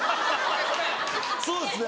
そうですね